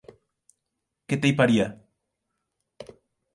Que t’ei parièr.